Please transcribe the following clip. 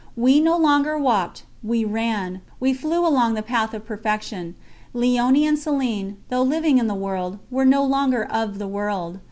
We no longer walked we ran, we flew along the path of perfection. Léonie and Céline, though living in the world, were no longer of the world.